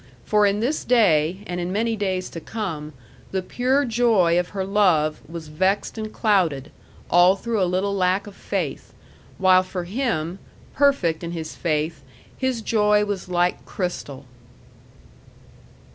For in this day, and in many days to come, the pure joy of her love was vexed and clouded, all through a little lack of faith; while for him, perfect in his faith, his joy was like crystal.